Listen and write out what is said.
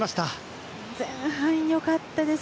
前半良かったです。